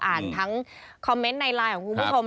อ่านทั้งคอมเมนต์ในไลน์ของคุณผู้ชม